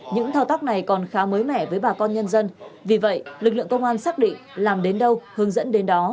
những thao tác này còn khá mới mẻ với bà con nhân dân vì vậy lực lượng công an xác định làm đến đâu hướng dẫn đến đó